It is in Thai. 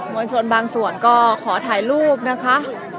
วลชนบางส่วนก็ขอถ่ายรูปนะคะ